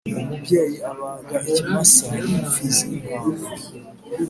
Umubyeyi abaga ikimasa n’ imfizi y’intama